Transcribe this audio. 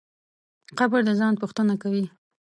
قبر د ځان پوښتنه کوي.